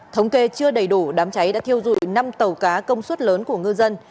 thống kê chưa đầy đủ đám cháy đã thiêu dụi năm tàu cá công suất lớn của ngư dân